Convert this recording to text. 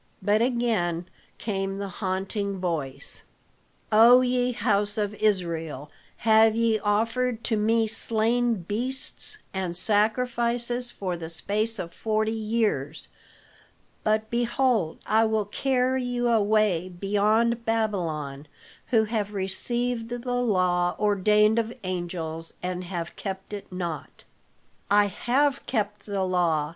But again came the haunting voice, "O ye house of Israel, have ye offered to me slain beasts and sacrifices for the space of forty years. But behold, I will carry you away beyond Babylon who have received the law ordained of angels and have kept it not." "I have kept the law!"